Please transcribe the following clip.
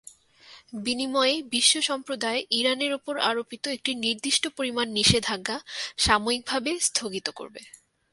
বিনিময়ে বিশ্বসম্প্রদায় ইরানের ওপর আরোপিত একটি নির্দিষ্ট পরিমাণ নিষেধাজ্ঞা সাময়িকভাবে স্থগিত করবে।